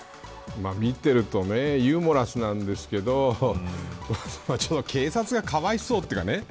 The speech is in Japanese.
見ているとユーモラスなんですがちょっと警察がかわいそうっていうかね。